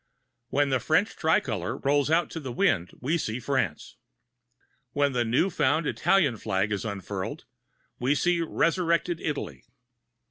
When the French tricolor rolls out to the wind, we see France.[Pg 216] When the new found Italian flag is unfurled, we see resurrected Italy.